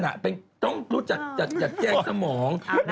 อ๋อคุณนั่นต้องรู้จัดแยกสมอง